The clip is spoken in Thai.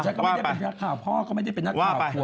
ฉันก็ไม่ได้เป็นนักข่าวพ่อก็ไม่ได้เป็นนักข่าวเธอ